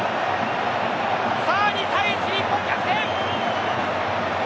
さあ、２対１日本逆転！